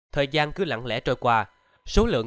thời gian cứ lặng lẽ trôi qua số lượng